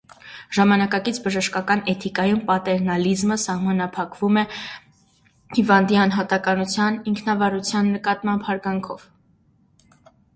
Ժամանակակից բժշկական էթիկայում պատերնալիզմը սահմափակվում է հիվանդի անհատականության, ինքնավարության նկատմամբ հարգանքով։